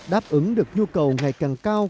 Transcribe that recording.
đáp ứng được nhu cầu ngày càng cao